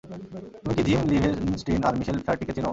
তুমি কি Jim Levenstein আর মিশেল ফ্ল্যারটিকে চেনো?